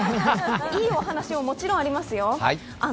いいお話ももちろんありますよ。